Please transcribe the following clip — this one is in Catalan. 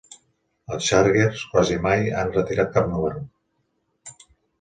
Els Chargers quasi mai han retirat cap número.